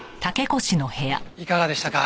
いかがでしたか？